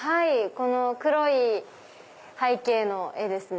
この黒い背景の絵ですね。